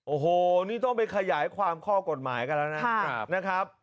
โอ้โหนี่ต้องไปขยายความข้อกฎหมายกันแล้วนะครับ